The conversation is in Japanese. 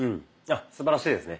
すばらしいですね。